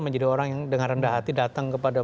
menjadi orang yang dengan rendah hati datang kepada